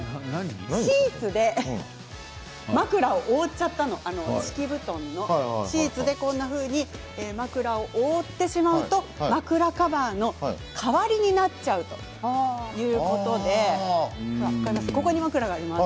シーツで枕を覆ちゃったの敷布団のシーツでこんなふうに枕を覆ってしまうと枕カバーの代わりになっちゃうということでここに枕があります。